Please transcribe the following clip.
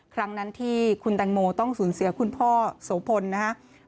ครั้งนั้นที่คุณแตงโมต้องสูญเสียคุณพ่อโสพลนะครับ